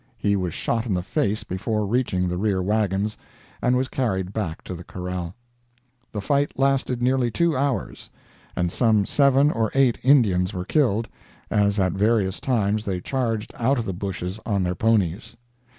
He was shot in the face before reaching the rear wagons, and was carried back to the corral. The fight lasted nearly two hours, and some seven or eight Indians were killed, as at various times they charged out of the bushes on their ponies.